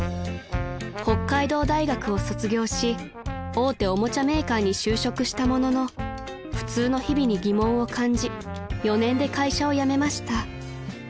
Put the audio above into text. ［大手おもちゃメーカーに就職したものの普通の日々に疑問を感じ４年で会社を辞めました］